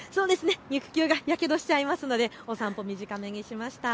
肉球がやけどしちゃいますのでお散歩短めにしました。